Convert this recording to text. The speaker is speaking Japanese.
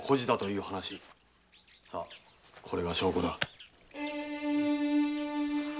さこれが証拠だ。